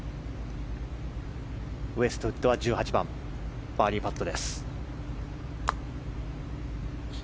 ウェストウッドは１８番バーディーパット。